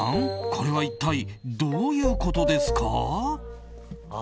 これは一体どういうことですか？